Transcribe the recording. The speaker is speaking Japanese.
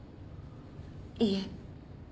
いえ。